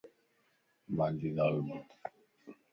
مانجي ڳالھه ٻڌ